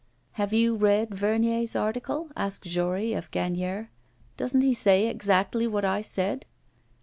'Have you read Vernier's article?' asked Jory of Gagnière. 'Doesn't he say exactly what I said?